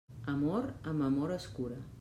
Amor, amb amor es cura.